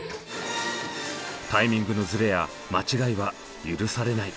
タイミングのズレや間違いは許されない。